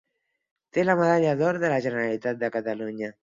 Té la Medalla d'Or de la Generalitat de Catalunya.